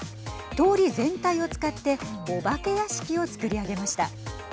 通り全体を使ってお化け屋敷を作り上げました。